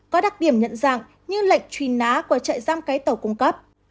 có đặc điểm nhận dạng như lệnh truy nã của trại giam cái tàu cung cấp